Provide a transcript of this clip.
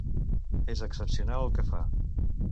És excepcional el que fa.